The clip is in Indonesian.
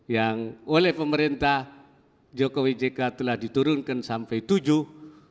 yang oleh pemerintah jokowi jk telah diturunkan sampai tujuan